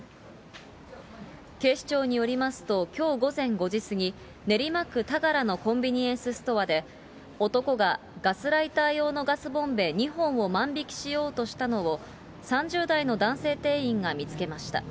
警視庁によりますと、きょう午前５時過ぎ、練馬区たがらのコンビニエンスストアで、男がガスライター用のガスボンベ２本を万引きしようとしたのを、３０代の男性店員が見つけました。